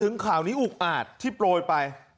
ข่าวนี้อุกอาจที่โปรยไป